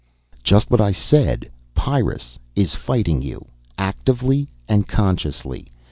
_" "Just what I said. Pyrrus is fighting you actively and consciously.